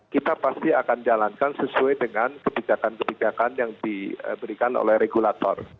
kita pasti akan jalankan sesuai dengan kebijakan kebijakan yang diberikan oleh regulator